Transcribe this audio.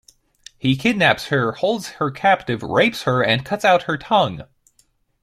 He kidnaps her, holds her captive, rapes her, and cuts out her tongue.